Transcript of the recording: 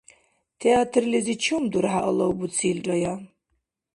Театрлизи чум дурхӀя алавбуцилрая?